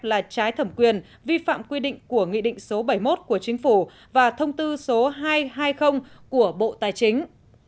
là trái thẩm quyền vi phạm quy định của nghị định số bảy mươi một của chính phủ và thông tư số hai trăm hai mươi của bộ tài chính